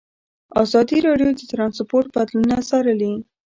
ازادي راډیو د ترانسپورټ بدلونونه څارلي.